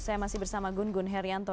saya masih bersama gun gun herianto